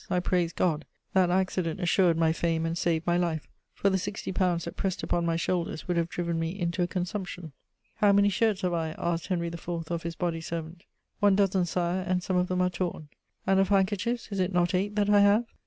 I praised God: that accident assured my "fame" and saved my life, for the sixty pounds that pressed upon my shoulders would have driven me into a consumption. "How many shirts have I?" asked Henry IV. of his body servant. "One dozen, Sire, and some of them are torn." "And of handkerchiefs, is it not eight that I have?"